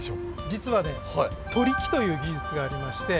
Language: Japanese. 実はね「取り木」という技術がありまして。